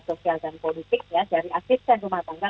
sosial dan politik dari aktif dan rumah tangga